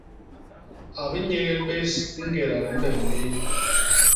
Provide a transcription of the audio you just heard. A bi nyégél bés i ñgéda di mbem bé.